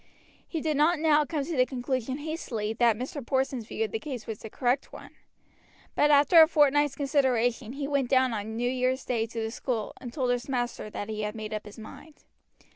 He did not now come to the conclusion hastily that Mr. Porson's view of the case was the correct one; but after a fortnight's consideration he went down on New Year's Day to the school, and told his master that he had made up his mind.